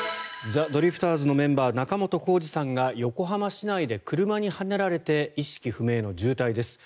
ザ・ドリフターズのメンバー仲本工事さんが横浜市内で車にはねられて意識不明の重体です。